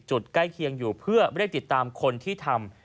ใกล้เคียงอยู่เพื่อเร่งติดตามคนที่ทำ